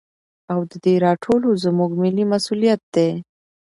او د دې راټولو زموږ ملي مسوليت دى.